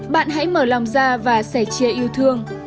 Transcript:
bạn hãy mở lòng ra và sẻ chia yêu thương